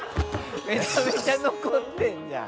めちゃめちゃ残ってるじゃん。